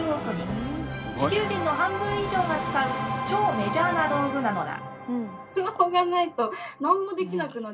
地球人の半分以上が使う超メジャーな道具なのだ。